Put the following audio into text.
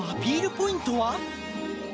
ポイントは？